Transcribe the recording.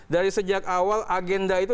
dari sejak awal agenda itu